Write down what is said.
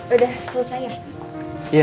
udah selesai ya